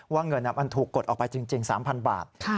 เงินมันถูกกดออกไปจริง๓๐๐บาท